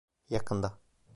Yakında.